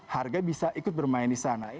harga bisa ikut bermain di sana